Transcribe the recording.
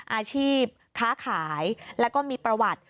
อาชีพค้าขายแล้วก็มีประวัติ